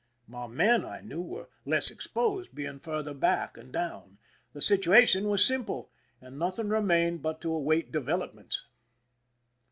My men, I knew, were less exposed, being farther back and down. The situation was simple, and nothing remained but to await developments.